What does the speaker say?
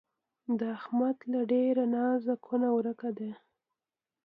د احمد له ډېره نازه کونه ورکه ده.